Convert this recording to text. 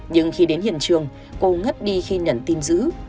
nhưng khi đến hiện trường cô ngất đi khi nhận tin giữ